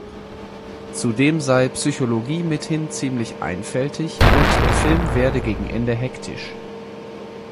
Zudem sei „Psychologie mithin ziemlich einfältig“ und der Film werde gegen Ende hektisch.